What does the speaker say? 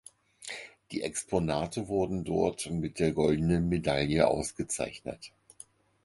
Die Exponate wurden dort mit der Goldenen Medaille ausgezeichnet.